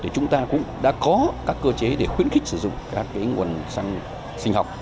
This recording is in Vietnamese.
chúng ta cũng đã có các cơ chế để khuyến khích sử dụng các nguồn săn sinh học